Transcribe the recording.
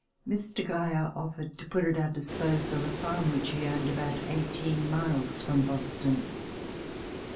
Mr. Geyer ofifered to put at our disposal a farm which he owned about eighteen miles from Boston.